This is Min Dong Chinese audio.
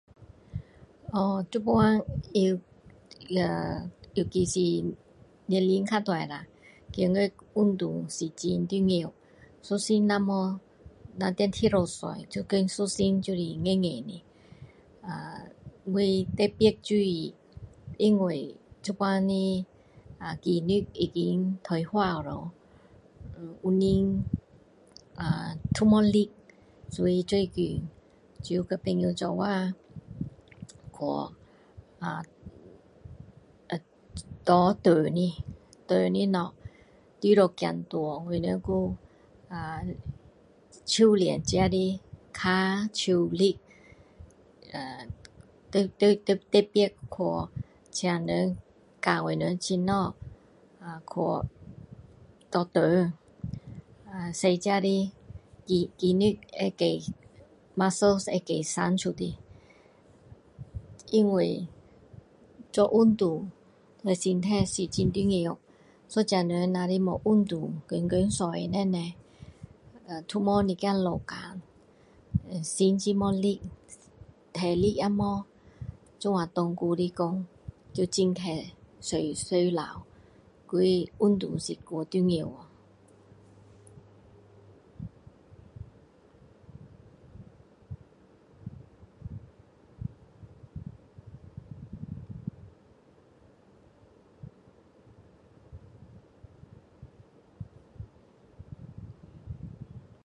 哦，现在，啊，啊，尤其是年龄较大了，觉得运动是很重要的，一身要没然在一直坐一身慢慢啊，因为我特别的，因为现在的肌肉已经退化【wu】了，身体啊都没力，我最近住在别人一起，啊，啊，啊，拿重的，重的物，除了走路我们还，啊，训炼脚手力，啊，特别特别去请人教我们怎样去拿重，让自己的肌肉会硬，muscle会再生出来，因为做运动那是很重要，一个人要是没运动，天天坐那边，都没一点流汗，心很没力，体力也没，这样长久来讲，是很快衰衰老，所以运动是太重要